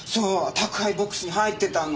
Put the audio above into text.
宅配ボックスに入ってたの。